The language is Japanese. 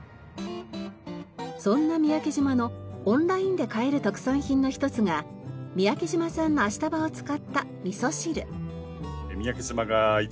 そんな三宅島のオンラインで買える特産品の一つが三宅島産のアシタバを使った味噌汁。